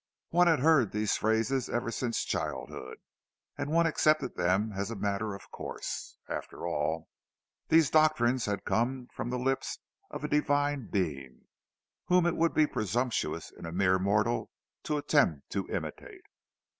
One had heard these phrases ever since childhood, and one accepted them as a matter of course. After all, these doctrines had come from the lips of a divine being, whom it would be presumptuous in a mere mortal to attempt to imitate.